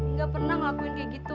nggak pernah ngelakuin kayak gitu